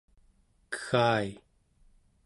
kegga-i